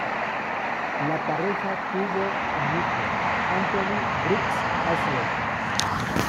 La pareja tuvo un hijo, Anthony Brooks Ashley.